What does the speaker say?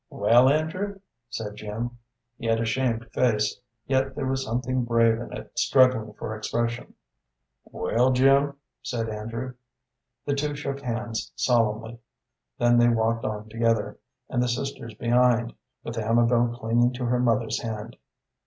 "Well, Andrew?" said Jim. He had a shamed face, yet there was something brave in it struggling for expression. "Well, Jim?" said Andrew. The two shook hands solemnly. Then they walked on together, and the sisters behind, with Amabel clinging to her mother's hand.